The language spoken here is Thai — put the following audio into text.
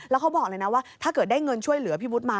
แล้วเขาบอกเลยนะว่าถ้าเกิดได้เงินช่วยเหลือพี่วุฒิมา